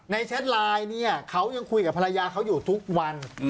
แชทไลน์เนี่ยเขายังคุยกับภรรยาเขาอยู่ทุกวัน